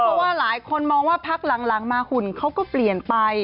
เพราะว่าหลายคนมองว่าพักหลังมาหุ่นเขาก็เปลี่ยนไป